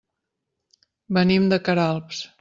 Venim de Queralbs.